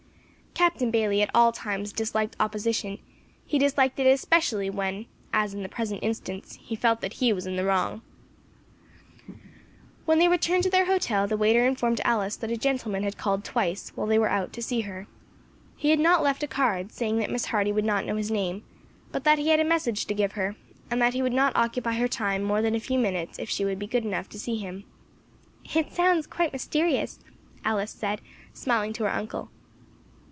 Captain Bayley at all times disliked opposition; he disliked it especially when, as in the present instance, he felt that he was in the wrong. When they returned to their hotel the waiter informed Alice that a gentleman had called twice, while they were out, to see her. He had not left a card, saying that Miss Hardy would not know his name, but that he had a message to give her, and that he would not occupy her time more than a few minutes if she would be good enough to see him. "It sounds quite mysterious," Alice said, smiling to her uncle.